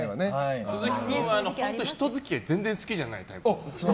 鈴木君は人付き合い全然好きじゃない。